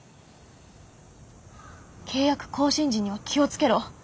「契約更新時には気を付けろ」